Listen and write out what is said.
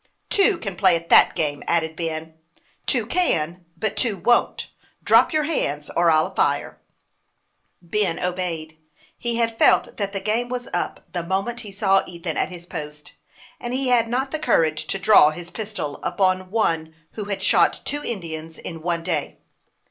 " Two can play at that game," added Ben. " Two can ; but two won't. Drop your hands, or I'll fire !" Ben obeyed ; he had felt that the game was up the moment he saw Ethan at his post, and he had i not the courage to draw his pistol upon one who had shot two Indians in one day.